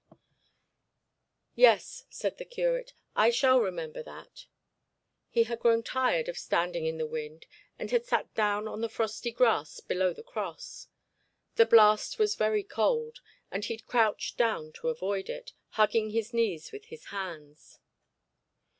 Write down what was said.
'Yes,' said the curate, 'I shall remember that.' He had grown tired of standing in the wind, and had sat down on the frosty grass below the cross. The blast was very cold, and he crouched down to avoid it, hugging his knees with his hands.